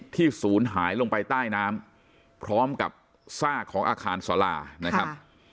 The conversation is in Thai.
ศูนย์หายลงไปใต้น้ำพร้อมกับซากของอาคารสารานะครับ